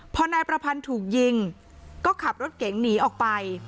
พอนายประพันธ์ถูกยิงก็ขับรถเก๋งหนีออกไป